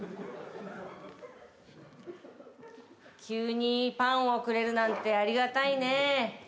「急にパンをくれるなんてありがたいね」